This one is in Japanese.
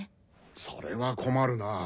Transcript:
それは困るなぁ。